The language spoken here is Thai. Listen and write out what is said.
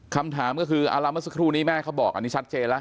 คำถามก็คือเอาละเมื่อสักครู่นี้แม่เขาบอกอันนี้ชัดเจนแล้ว